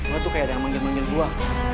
gue tuh kayak ada yang manggil manggil gue